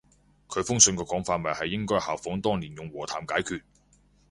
佢封信個講法咪係應該效法當年用和談解決